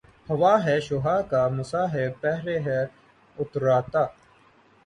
ہوا ہے شہہ کا مصاحب پھرے ہے اتراتا